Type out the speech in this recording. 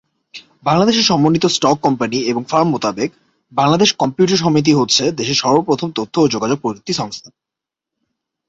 বাংলাদেশের সমন্বিত stock company এবং ফার্ম মোতাবেক, বাংলাদেশ কম্পিউটার সমিতি হচ্ছে দেশের সর্বপ্রথম তথ্য ও যোগাযোগ প্রযুক্তি সংস্থা।